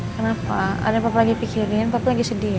kenapa ada yang lagi pikirin tapi lagi sedih ya